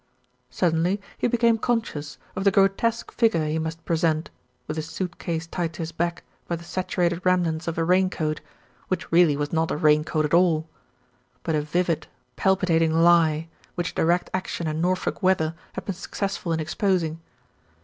Suddenly he became conscious of the grotesque fig ure he must present with a suit case tied to his back by the saturated remnants of a rain coat, which really was not a rain coat at all; but a vivid, palpitating lie, which Direct Action and Norfolk weather had been successful in exposing.